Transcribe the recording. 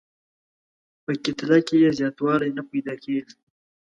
په کتله کې یې زیاتوالی نه پیدا کیږي.